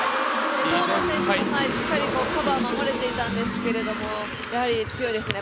東藤選手、しっかり守れていたんですがやはり強いですね。